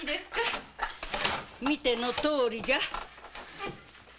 見てのとおりじゃ。